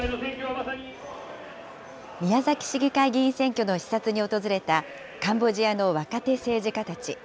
宮崎市議会議員選挙の視察に訪れた、カンボジアの若手政治家たち。